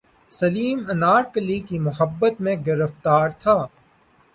سلیم انارکلی کی محبت میں گرفتار تھا